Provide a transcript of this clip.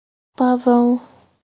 Pavão